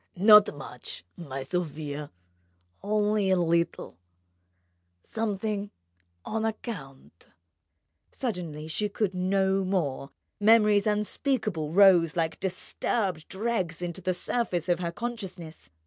Not much, my Sofia ... only a little ... something on account ..." Suddenly she could no more: memories unspeakable rose like disturbed dregs to the surface of her consciousness.